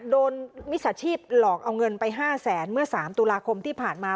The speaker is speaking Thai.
โดนมิสาชีพหลอกเอาเงินไปห้าแสนเมื่อสามตุลาคมที่ผ่านมา